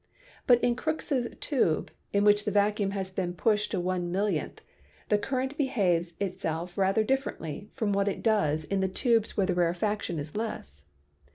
But in Crookes' tube, in which the vacuum has been pushed to one millionth, the current behaves itself rather differently from what it does in the tubes where the rare faction is less.